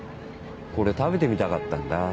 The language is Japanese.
これ食べてみたかったんだ。